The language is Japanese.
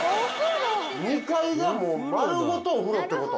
２階がもう丸ごとお風呂ってこと？